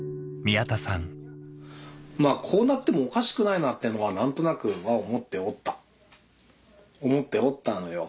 まぁこうなってもおかしくないなっていうのは何となくは思っておった思っておったのよ。